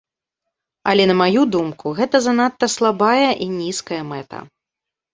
Але, на маю думку, гэта занадта слабая і нізкая мэта.